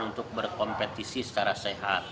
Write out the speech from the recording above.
untuk berkompetisi secara sehat